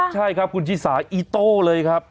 ใช่ครับคุณชิสาอีโต้เลยครับ